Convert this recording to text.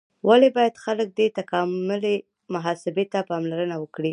ولې باید خلک دې تکاملي محاسبې ته پاملرنه وکړي؟